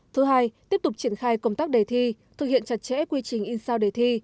thứ hai tiếp tục triển khai công tác đề thi thực hiện chặt chẽ quy trình in sao đề thi